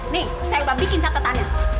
nih saya bikin catatannya